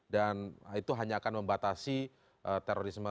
dan itu hanya akan membatasi terorisme